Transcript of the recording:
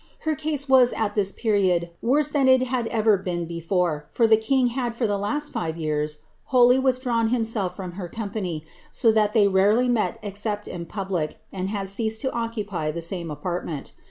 Her case was, at this period, worse ikn it bad ever been before, for the king had for the last five years vkoUy withdrawn himself from her company, so that they rarely met Bfiept in public, and had ceased to occupy the same apartment.